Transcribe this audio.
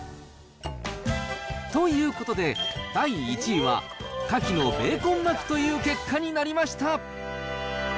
ということで、第１位はカキのベーコン巻きという結果になりました。